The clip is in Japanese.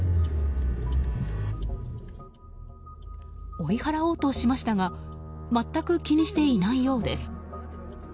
追い払おうとしましたが全く気にしていないようです。